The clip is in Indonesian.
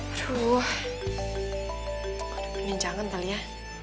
aduh ada peninjangan kali ya